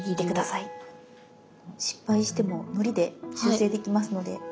失敗してものりで修正できますので。